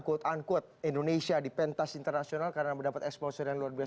quote unquote indonesia di pentas internasional karena mendapat exposure yang luar biasa